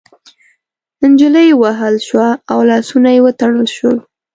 نجلۍ ووهل شوه او لاسونه يې وتړل شول.